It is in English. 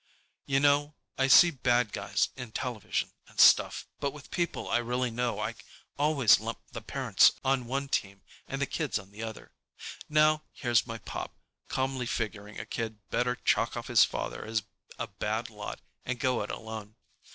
You know, I see "bad guys" in television and stuff, but with the people I really know I always lump the parents on one team and the kids on the other. Now here's my pop calmly figuring a kid better chalk off his father as a bad lot and go it alone.